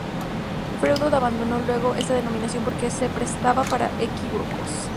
Freud abandonó luego esta denominación porque se prestaba para equívocos.